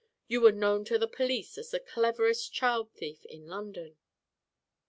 You were known to the police as the cleverest child thief in London.